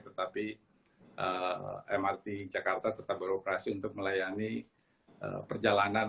tetapi mrt jakarta tetap beroperasi untuk melayani perjalanan